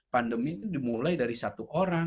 pandemi itu dimulai dari satu orang